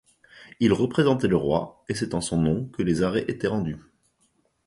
Il représentait le roi, et c'est en son nom que les arrêts étaient rendus.